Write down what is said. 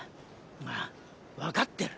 ああわかってる。